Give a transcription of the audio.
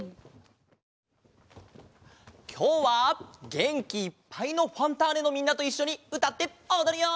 きょうはげんきいっぱいの「ファンターネ！」のみんなといっしょにうたっておどるよ！